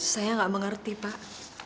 saya tidak mengerti pak